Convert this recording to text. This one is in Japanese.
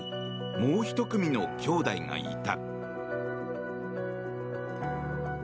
もう１組の兄妹がいた。